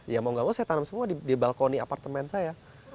ya mau gak mau saya tanam semua di balkoni apartemen saya